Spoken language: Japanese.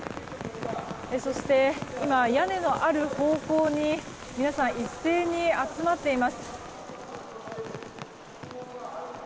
そして、今屋根のある方向に皆さん一斉に集まっています。